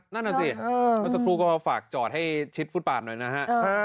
นั่นนะสิสตูก็ฝากจอดให้ชิดฟุตปาดหน่อยนะฮะ